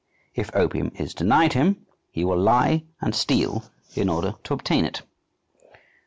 If opium is denied him, he will lie and steal in order to obtain it.